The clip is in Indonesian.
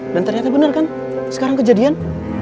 dan ternyata bener kan sekarang kejadian